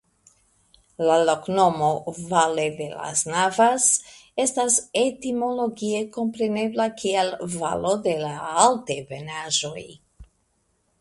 La loknomo "Valle de las Navas" estas etimologie komprenebla kiel "Valo de la Altebenaĵoj".